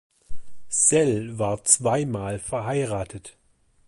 Sell war zweimal verheiratet.